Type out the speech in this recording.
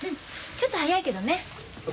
ちょっと早いけどね。